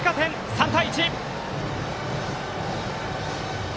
３対１！